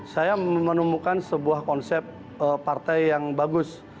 saya menemukan sebuah konsep partai yang bagus